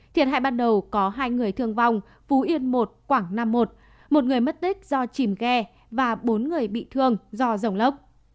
thiệt hại ban đầu có hai người thương vong phú yên một quảng nam i một một người mất tích do chìm ghe và bốn người bị thương do dòng lốc